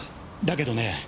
だけどね